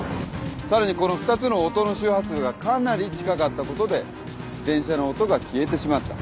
さらにこの２つの音の周波数がかなり近かったことで電車の音が消えてしまった。